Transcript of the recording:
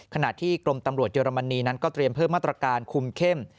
ขณะที่กรมตำรวจเยอรมนีนั้นก็เตรียมเพิ่มมาตรการคุมเข้ม